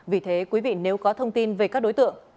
vì thế quý vị nếu có thông tin về các đối tượng